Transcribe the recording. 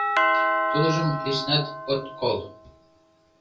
Тудыжым лишнат от кол.